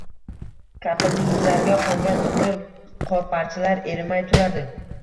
Kampirning yuzlariga qoʻngan oʻtkir qorparchalar erimay turardi.